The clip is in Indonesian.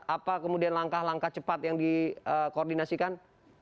apa kemudian langkah langkah cepat yang dikoordinasikan